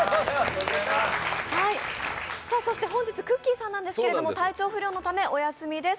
そして本日くっきー！さんなんですけども、体調不良のためお休みです。